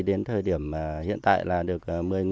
đến thời điểm hiện tại là được